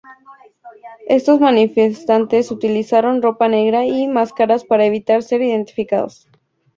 Estos manifestantes utilizaron ropa negra y máscaras para evitar ser identificados.